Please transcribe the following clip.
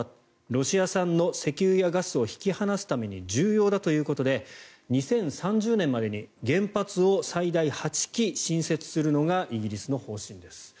ロシア産の石油やガスを引き離すために重要だということで２０３０年までに原発を最大８基新設するのがイギリスの方針です。